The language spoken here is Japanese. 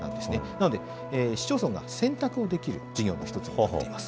なので、市町村が選択をできる事業の一つになっています。